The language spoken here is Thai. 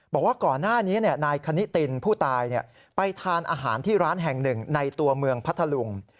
บอกว่าก่อนหน้านี้นายคณิตินผู้ตายไปทานอาหารที่ร้านแห่งหนึ่งในตัวเมืองพัทธลุง